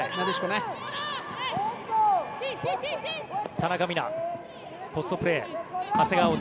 田中美南、ポストプレー。